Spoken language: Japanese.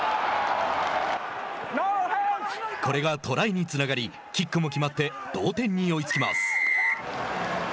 これがトライにつながりキックも決まって同点に追いつきます。